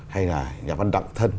hay là nhà văn đặng thân